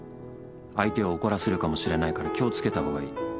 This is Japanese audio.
「相手を怒らせるかもしれないから気を付けた方がいい」